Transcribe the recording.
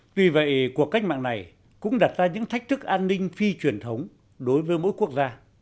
tuy vậy cuộc cách mạng này cũng đặt ra những thách thức an ninh phi truyền thống đối với mỗi quốc gia